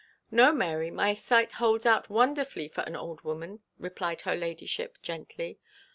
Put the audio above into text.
'No, Mary, my sight holds out wonderfully for an old woman,' replied her ladyship, gently.